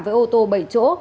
với ô tô bảy chỗ